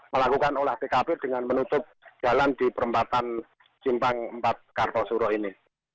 melakukan olah tkp dengan menutup jalan di perempatan simpang empat kartosuro ini